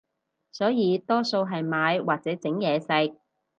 所以多數係買或者整嘢食